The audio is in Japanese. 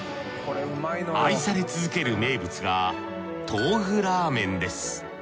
愛され続ける名物がトーフラーメンです。